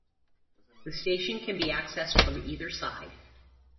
The station can be accessed from either side.